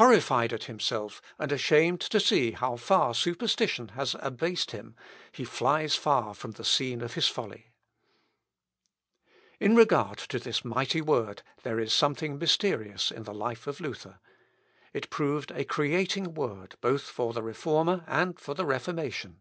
Horrified at himself, and ashamed to see how far superstition has abased him, he flies far from the scene of his folly. Seckend., p. 56. In regard to this mighty word there is something mysterious in the life of Luther. It proved a creating word both for the Reformer and for the Reformation.